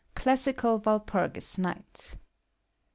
CLASSICAL WALPURGIS NIGHT 1.